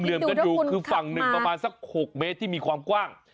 กันอยู่คือฝั่งหนึ่งประมาณสัก๖เมตรที่มีความกว้าง